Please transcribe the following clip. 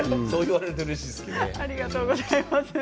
ありがとうございます。